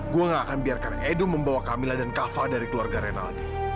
gue gak akan biarkan edu membawa camilla dan kava dari keluarga renaldi